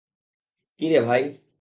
কী রে ভাই?